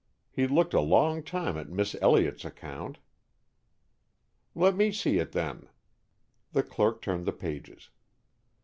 He looked a long time at Miss Elliott's account." "Let me see it, then." The clerk turned the pages.